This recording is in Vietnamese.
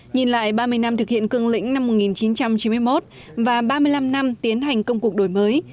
nhìn lại ba mươi năm thực hiện cương lĩnh năm một nghìn chín trăm chín mươi một và ba mươi năm năm tiến hành công cuộc đổi mới